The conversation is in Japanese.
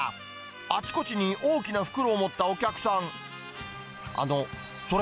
あちこちに大きな袋を持ったお客さん。